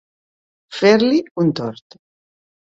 Fer-li un tort.